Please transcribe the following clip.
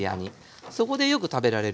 そこでよく食べられる料理で。